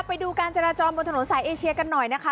ไปดูการจราจรบนถนนสายเอเชียกันหน่อยนะคะ